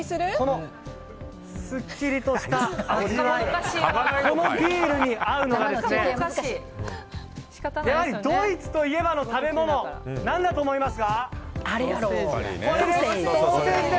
すっきりとした味わいこのビールに合うのがやはりドイツといえばの食べ物何だと思いますか？